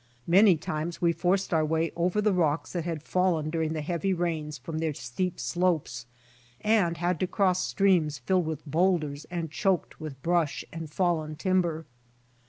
Many times we forced our way over the rocks that had fallen during the heavy rains from their steep slopes, and had to cross streams filled with boulders and choked with brush and fallen timber.